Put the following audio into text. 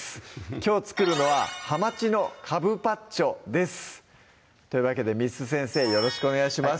きょう作るのは「ハマチのかぶパッチョ」ですというわけで簾先生よろしくお願いします